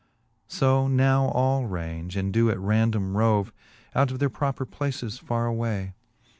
So now all range, and doe at random rove Out of their proper places farre away.